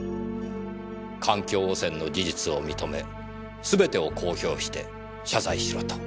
環境汚染の事実を認め全てを公表して謝罪しろと。